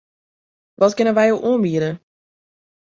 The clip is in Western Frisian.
Wat kinne wy jo oanbiede?